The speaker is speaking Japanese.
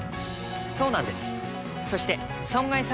そうなんです。